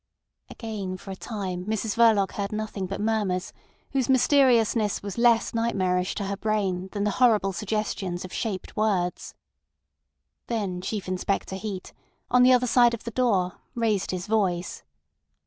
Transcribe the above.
Again for a time Mrs Verloc heard nothing but murmurs, whose mysteriousness was less nightmarish to her brain than the horrible suggestions of shaped words. Then Chief Inspector Heat, on the other side of the door, raised his voice.